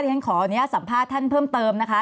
ฉันขออนุญาตสัมภาษณ์ท่านเพิ่มเติมนะคะ